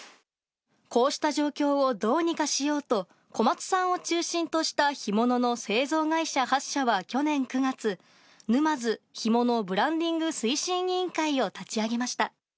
こうした状況をどうにかしようと、小松さんを中心とした干物の製造会社８社は去年９月、沼津ひものブランディング推進委員会を立ち上げました。